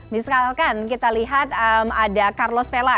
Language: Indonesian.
misalkan kita lihat ada carlos vela